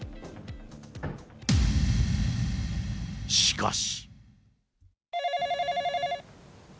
しかし。